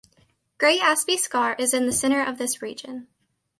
Great Asby Scar is in the centre of this region.